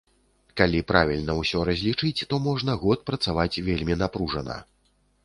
Калі правільна ўсё разлічыць, то можна год працаваць вельмі напружана.